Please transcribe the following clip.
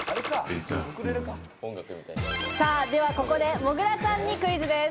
さぁではここでもぐらさんにクイズです。